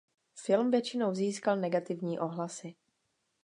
Film většinou získal negativní ohlasy.